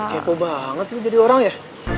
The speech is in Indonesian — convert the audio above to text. kepo banget sih jadi orang ya